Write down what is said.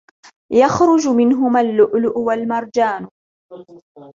يَخْرُجُ مِنْهُمَا اللُّؤْلُؤُ وَالْمَرْجَانُ